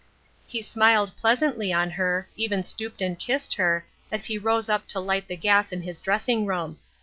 He smiled pleasantly on her, even stooped and kissed her, as he rose up to light the gas in his dressing room.